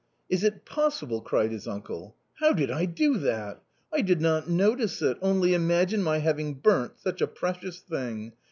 " Is it possible?" cried his uncle, " how did I do that? I did not notice it ; only imagine my having burnt such a precious thing.